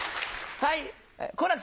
はい。